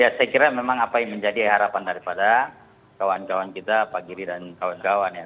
ya saya kira memang apa yang menjadi harapan daripada kawan kawan kita pak giri dan kawan kawan ya